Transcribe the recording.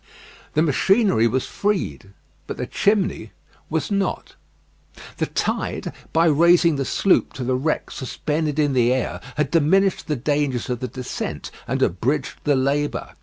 The machinery was freed; but the chimney was not. The tide, by raising the sloop to the wreck suspended in the air, had diminished the dangers of the descent, and abridged the labour.